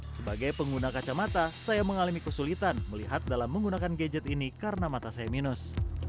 sebagai pengguna kacamata saya mengalami kesulitan melihat dalam menggunakan gadget ini karena mata saya minus